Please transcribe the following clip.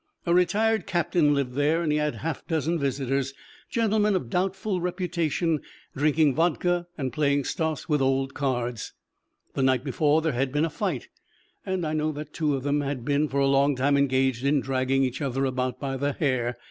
A retired captain lived there, and he had half a dozen visitors, gentlemen of doubtful reputation, drinking vodka and playing stoss with old cards. The night before there had been a fight, and I know that two of them had been for a long time engaged in dragging each other about by the hair.